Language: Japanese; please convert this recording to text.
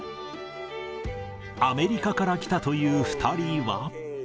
アメリカから来たという２人は。